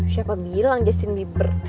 siapa bilang justin bieber